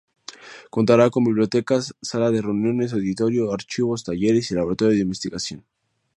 Contará con bibliotecas, sala de reuniones, auditorio, archivos, talleres y laboratorio de investigación.